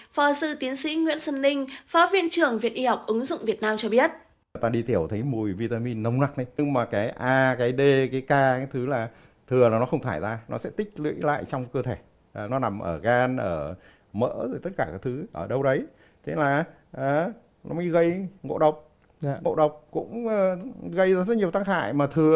phó sư tiến sĩ nguyễn xuân ninh phó viện trưởng viện y học ứng dụng việt nam cho biết